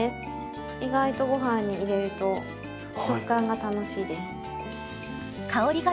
意外とご飯に入れると食感が楽しいです。